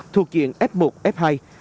thuộc diện f một f hai